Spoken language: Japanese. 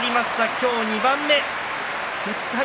今日２番目。